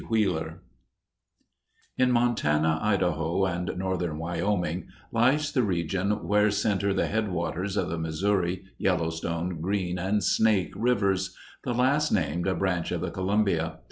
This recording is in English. WHEELER In Montana, Idaho, and northern Wyoming lies the region where center the headwaters of the Missouri, Yellowstone, Green, and Snake rivers the last named a branch of the Columbia.